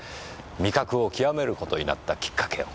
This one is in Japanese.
味覚を究める事になったきっかけを。